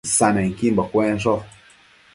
Isannequimbo cuensho